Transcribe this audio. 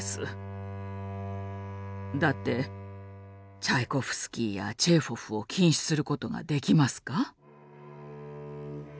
だってチャイコフスキーやチェーホフを禁止することができますか？